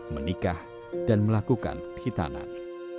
menikah dan melakukan hitanan